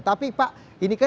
tapi pak ini kan